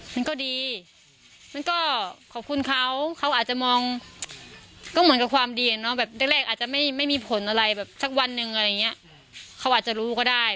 มันก็ดีมันก็ขอบคุณเขาเขาอาจจะมองก็เหมือนกับความดีอะเนาะแบบแรกอาจจะไม่มีผลอะไรแบบสักวันหนึ่งอะไรอย่างเงี้ยเขาอาจจะรู้ก็ได้